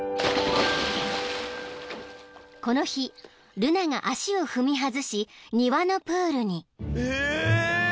［この日ルナが足を踏み外し庭のプールに］